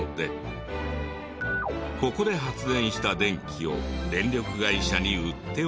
ここで発電した電気を電力会社に売っており。